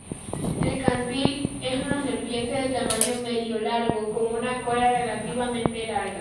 El cantil es una serpiente de tamaño medio-largo con una cola relativamente larga.